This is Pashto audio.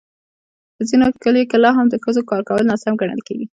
په ځینو کلیو کې لا هم د ښځو کار کول ناسم ګڼل کېږي.